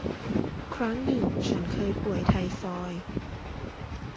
ครั้งหนึ่งฉันเคยป่วย ไทฟอยด์